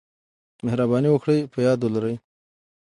مهرباني وکړئ په یاد ولرئ: